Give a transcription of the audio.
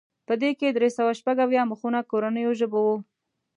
په دې کې درې سوه شپږ اویا مخونه کورنیو ژبو وو.